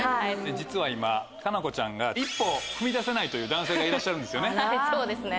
実は今佳菜子ちゃんが一歩踏み出せないという男性がいらっしゃるんですよね？